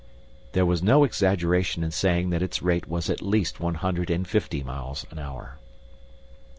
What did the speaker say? There was no exaggeration in saying that its rate was at least one hundred and fifty miles an hour.